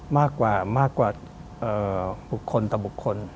มากกว่าบุคคลต่อบุคคล